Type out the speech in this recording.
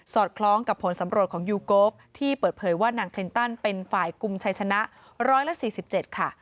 คล้องกับผลสำรวจของยูโกฟที่เปิดเผยว่านางคลินตันเป็นฝ่ายกลุ่มชัยชนะ๑๔๗ค่ะ